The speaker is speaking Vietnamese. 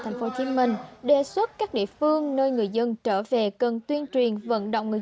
thành phố hồ chí minh đề xuất các địa phương nơi người dân trở về cần tuyên truyền vận động người